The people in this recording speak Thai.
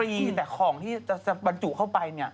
คือแบบแหวกเครื่องประดับพรีแต่ของที่จะบรรจุเข้าไปเนี่ย